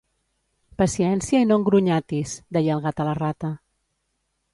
Paciència i non grunyatis, deia el gat a la rata.